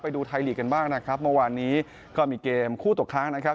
ดูไทยลีกกันบ้างนะครับเมื่อวานนี้ก็มีเกมคู่ตกค้างนะครับ